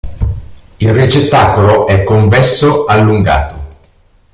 Il ricettacolo è convesso-allungato.